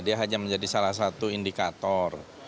dia hanya menjadi salah satu indikator